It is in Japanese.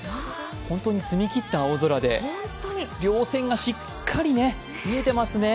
本当に澄み切った青空で、りょう線がしっかり見えてますね。